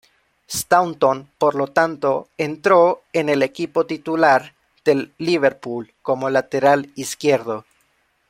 Staunton, por lo tanto, entró en el equipo titular del Liverpool como lateral izquierdo.